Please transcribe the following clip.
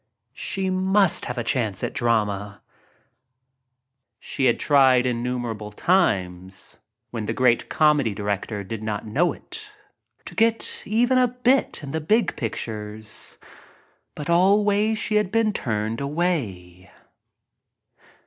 She must have a chance at drama. She had tried innumerable times — when the great com :■ 38 THE GREAT LETTY 4 edy director did not know it — to get even a bit in the big pictures, but always she had been turned away.